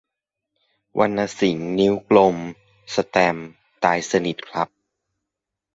วรรณสิงห์ นิ้วกลม สแตมป์ ตายสนิทครับ